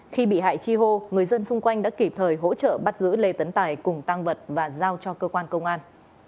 khi bị hại chi hô người dân xung quanh đã kịp thời hỗ trợ bắt giữ lê tấn tài cùng tăng vật và giao cho cơ quan công an